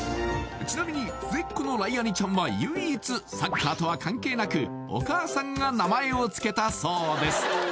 ちなみに末っ子のライアニちゃんは唯一サッカーとは関係なくお母さんが名前を付けたそうです